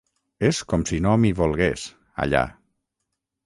És com si no m'hi volgués, allà.